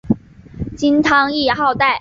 金汤谥号戴。